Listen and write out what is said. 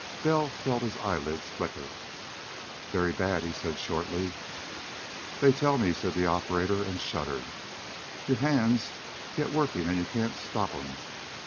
Bell felt his eyelids flicker. "Very bad," he said shortly. "They tell me," said the operator and shuddered, "your hands get working and you can't stop 'em....